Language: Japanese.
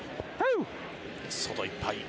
外いっぱい。